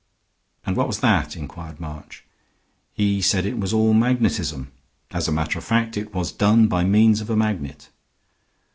"And what was that?" inquired March. "He said it was all magnetism. As a matter of fact, it was done by means of a magnet."